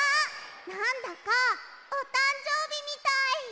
なんだかおたんじょうびみたい！